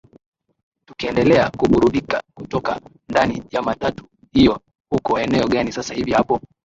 tukiendelea kuburudika kutoka ndani ya matatu hiyo uko eneo gani sasa hivi hapo